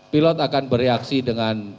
pilot akan bereaksi dengan